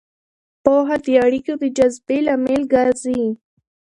پوهه د اړیکو د جذبې لامل ګرځي.